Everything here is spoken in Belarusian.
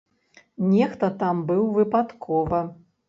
Нехта там быў выпадкова.